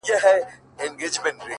خیال دي;